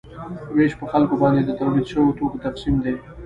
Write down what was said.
ویش په خلکو باندې د تولید شویو توکو تقسیم دی.